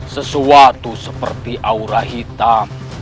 sesuatu seperti aura hitam